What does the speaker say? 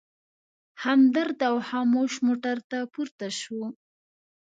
همدرد او خاموش موټر ته پورته شوو.